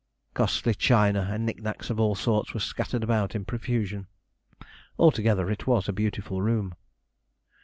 Costly china and nick nacks of all sorts were scattered about in profusion. Altogether, it was a beautiful room.